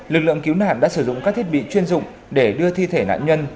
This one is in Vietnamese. lực lượng cứu nạn đã sử dụng các thiết bị chuyên dụng để đưa thi thể nạn nhân